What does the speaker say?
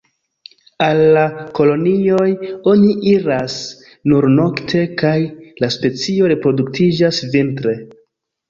Al la kolonioj oni iras nur nokte, kaj la specio reproduktiĝas vintre.